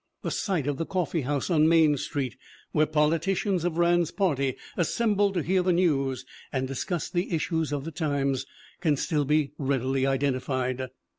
The site of the coffee house on Main Street, where politicians of Rand's party assembled to hear the news and discuss the issues of the times, can still be teadily identified.